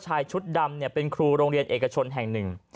ชายชุดดำเป็นครูโรงเรียนเอกชนแห่งหนึ่ง